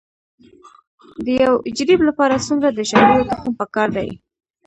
د یو جریب لپاره څومره د شالیو تخم پکار دی؟